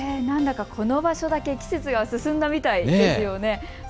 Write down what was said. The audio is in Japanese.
なんだかこの場所だけ季節が進んだみたいですよね。